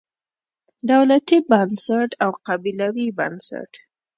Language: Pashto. دولتي بنسټ او قبیلوي بنسټ.